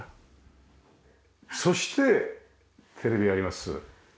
そしてテレビあります。